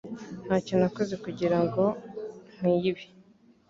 Ntacyo nakoze kugirango nkwiye ibi